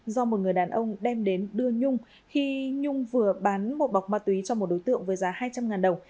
do một người đàn ông đem đến đưa nhung khi nhung vừa bán một bọc ma túy cho một đối tượng với giá hai trăm linh đồng